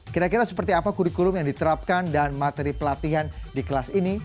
kira kira seperti apa kurikulum yang diterapkan dan materi pelatihan di kelas ini